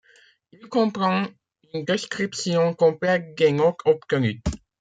Il comprend une description complète des notes obtenues.